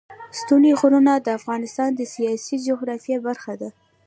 ستوني غرونه د افغانستان د سیاسي جغرافیه برخه ده.